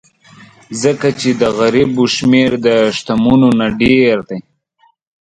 ځکه چې د غریبو شمېر د شتمنو نه ډېر دی.